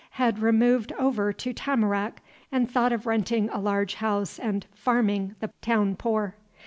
Had removed over to Tamarack, and thought of renting a large house and 'farming' the town poor."